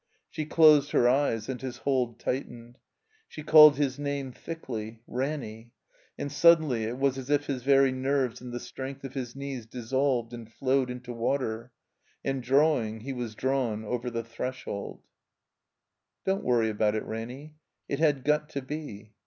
She closed her eyes, and his hold tight^ied. She called his name thickly, *'Ranny!" and suddenly it was as if his very nerves and the strength of his knees dissolved and flowed like water, and drawing he was drawn over the threshdd. Don't worry about it, Ranny. It had got to be."